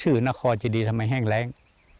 ชื่อนครจิดีทำไมแห้งแร้ง